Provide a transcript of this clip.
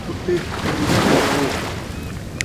ستّے شین٘ہہ ناں جڳاؤ